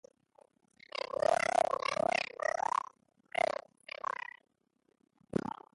Kamioiaren gidaria, berriz, onik atera da.